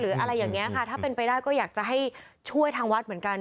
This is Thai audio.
อะไรอย่างนี้ค่ะถ้าเป็นไปได้ก็อยากจะให้ช่วยทางวัดเหมือนกัน